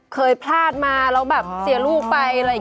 เคยพลาดมาแล้วเสียลูกไป